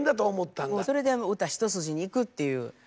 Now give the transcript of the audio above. それでもう歌一筋にいくっていう。